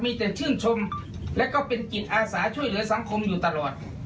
มีแต่ชื่นชมและก็เป็นจิตอาสาช่วยเหลือสังคมอยู่ตลอด